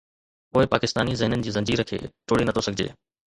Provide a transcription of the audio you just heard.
پوءِ پاڪستاني ذهنن جي زنجير کي ٽوڙي نٿو سگهجي؟